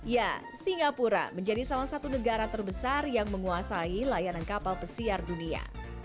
ya singapura menjadi salah satu negara terbesar yang menguasai layanan kapal pesiar dunia